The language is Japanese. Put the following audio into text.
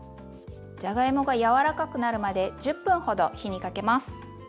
じゃがいもが柔らかくなるまで１０分ほど火にかけます。